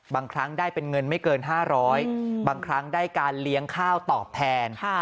บางครั้งได้เป็นเงินไม่เกิน๕๐๐บางครั้งได้การเลี้ยงข้าวตอบแทน